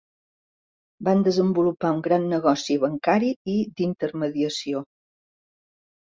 Van desenvolupar un gran negoci bancari i d'intermediació.